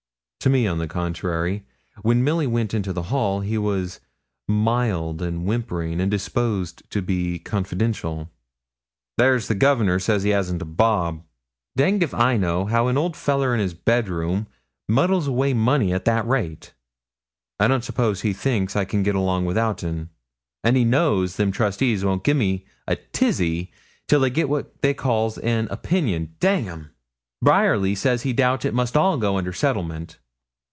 To me, on the contrary, when Milly went into the hall, he was mild and whimpering, and disposed to be confidential. 'There's the Governor says he hasn't a bob! Danged if I know how an old fellah in his bed room muddles away money at that rate. I don't suppose he thinks I can git along without tin, and he knows them trustees won't gi'e me a tizzy till they get what they calls an opinion dang 'em! Bryerly says he doubts it must all go under settlement.